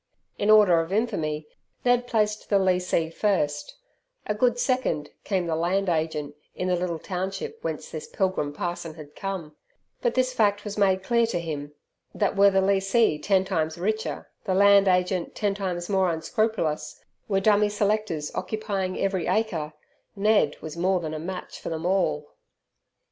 In order of infamy Ned placed the lessee first; a good second came the Land Agent in the little township whence this pilgrim parson had come But this fact was made clear to him, that were the lessee ten times richer, the Land Agent ten times more unscrupulous, were "dummy" selectors occupying every acre, Ned was more than a match for them all.